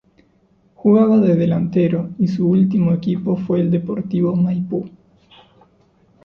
Jugaba de delantero y su último equipo fue el Deportivo Maipú.